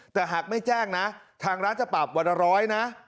แต่หากไม่แจ้งนะทางร้านจะปรับวันละร้อยนะ